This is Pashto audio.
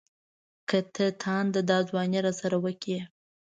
که تاند دا ځواني راسره وکړي.